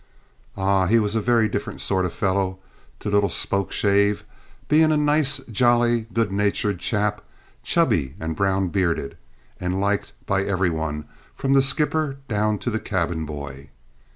Ah, he was a very different sort of fellow to little Spokeshave, being a nice, jolly, good natured chap, chubby and brown bearded, and liked by every one from the skipper down to the cabin boy.